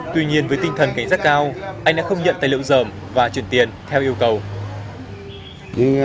tuy nhiên với tinh thần cảnh giác cao anh đã không nhận tài liệu dởm và chuyển tiền theo yêu cầu